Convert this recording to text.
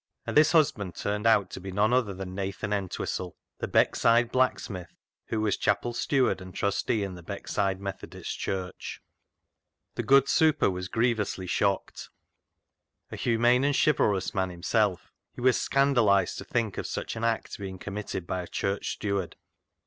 And this husband turned out to be none other than Nathan Entwistle, the Beck side blacksmith, who was chapel steward and trustee in the Beckside Methodist Church. The good " super " was grievously shocked. A humane and chivalrous man himself, he was scandalised to think of such an act being committed by a church steward.